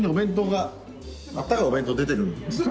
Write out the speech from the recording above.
温かいお弁当出てるんですよ。